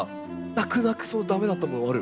泣く泣く駄目だったものもある。